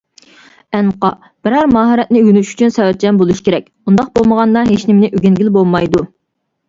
ئەنقا: - بىرەر ماھارەتنى ئۆگىنىش ئۈچۈن سەۋرچان بولۇش كېرەك، ئۇنداق بولمىغاندا ھېچنېمىنى ئۆگەنگىلى بولمايدۇ.